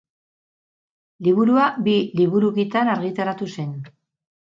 Liburua bi liburukitan argitaratu zen.